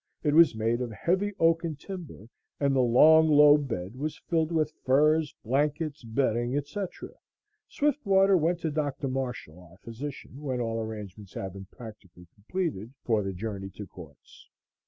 It was made of heavy oaken timber, and the long low bed was filled with furs, blankets, bedding, etc. Swiftwater went to Dr. Marshall, our physician, when all arrangements had been practically completed for the journey to Quartz.